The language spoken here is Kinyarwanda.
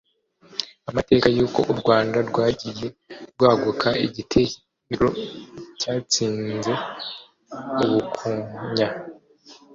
Amateka y'Uko u Rwanda Rwagiye Rwaguka Igitero cyatsinze u Bukonya